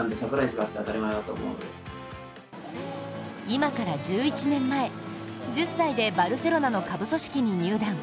今から１１年前、１０歳でバルセロナの下部組織に入団。